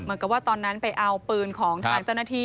เหมือนกับว่าตอนนั้นไปเอาปืนของทางเจ้าหน้าที่